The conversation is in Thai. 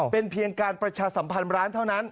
เป็นเพียงการประชาสัมพันธ์ร้านเท่านั้น